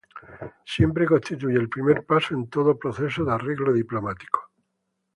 Siempre constituye el primer paso en todo proceso de arreglo diplomático.